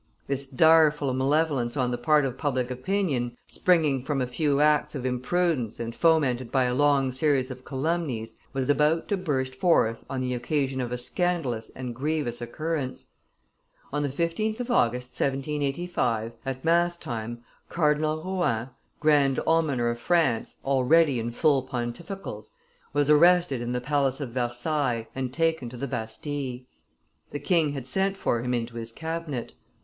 This direful malevolence on the part of public opinion, springing from a few acts of imprudence and fomented by a long series of calumnies, was about to burst forth on the occasion of a scandalous and grievous occurrence. On the 15th of August, 1785, at Mass time, Cardinal Rohan, grand almoner of France, already in full pontificals, was arrested in the palace of Versailles and taken to the Bastille. The king had sent for him into his cabinet.